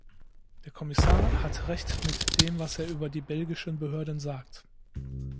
Der Kommissar hat Recht mit dem, was er über die belgischen Behörden sagt.